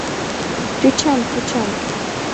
Тӱчам, тӱчам.